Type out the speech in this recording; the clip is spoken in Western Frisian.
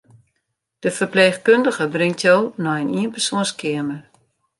De ferpleechkundige bringt jo nei in ienpersoanskeamer.